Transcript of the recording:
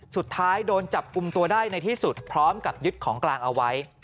สุดท้ายโดนจับกลุ่มตัวได้ในที่สุดพร้อมกับยึดของกลางเอาไว้